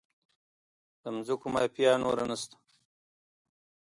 د ځمکو مافیا نور نشته؟